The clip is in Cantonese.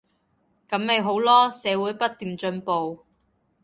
噉咪好囉，社會不斷進步